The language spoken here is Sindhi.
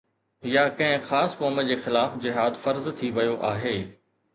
يا ڪنهن خاص قوم جي خلاف جهاد فرض ٿي ويو آهي